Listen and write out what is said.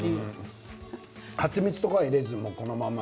蜂蜜とか入れずにこのまま？